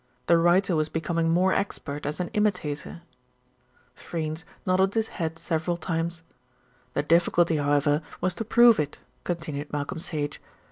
The writer was becoming more expert as an imitator." Freynes nodded his head several times. "The difficulty, however, was to prove it," continued Malcolm Sage.